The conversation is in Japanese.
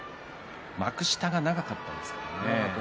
幕下が長かったですからね。